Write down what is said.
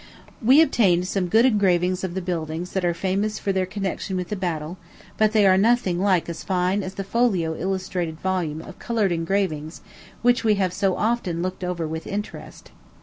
We obtained some good engravings of the buildings that are famous for their connection with the battle, but they are nothing like as fine as the folio illustrated volume of colored engravings which we have so often looked over with interest.